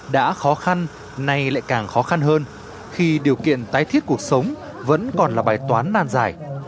đã khó khăn nay lại càng khó khăn hơn khi điều kiện tái thiết cuộc sống vẫn còn là bài toán nan giải